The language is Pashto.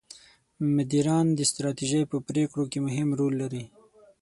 مدیران د ستراتیژۍ په پرېکړو کې مهم رول لري.